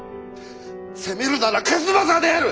責めるなら数正である！